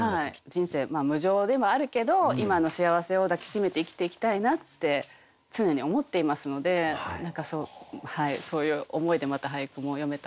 人生無常でもあるけど今の幸せを抱き締めて生きていきたいなって常に思っていますので何かそうそういう思いでまた俳句もよめたらなと。